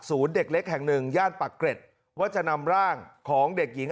เด็กเล็กแห่งหนึ่งย่านปักเกร็ดว่าจะนำร่างของเด็กหญิง